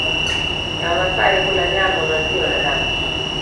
ya Wamasai hula nyama maziwa na damu